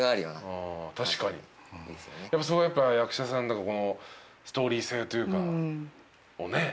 確かにそこはやっぱ役者さんだからストーリー性というか。